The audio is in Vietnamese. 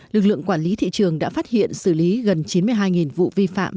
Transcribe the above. lực lượng quản lý thị trường đã phát hiện xử lý gần chín mươi hai vụ vi phạm